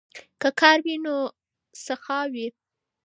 که کار وي نو سخا وي.